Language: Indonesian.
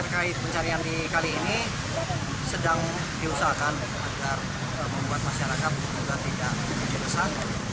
kait pencarian dikali ini sedang diusahakan agar membuat masyarakat juga tidak dikesan